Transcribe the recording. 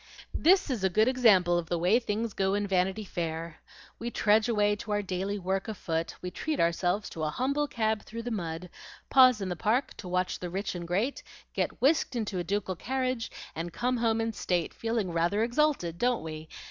"This is a good sample of the way things go in Vanity Fair. We trudge away to our daily work afoot, we treat ourselves to a humble cab through the mud, pause in the park to watch the rich and great, get whisked into a ducal carriage, and come home in state, feeling rather exalted, don't we?"